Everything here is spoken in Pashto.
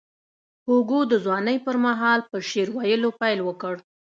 هوګو د ځوانۍ پر مهال په شعر ویلو پیل وکړ.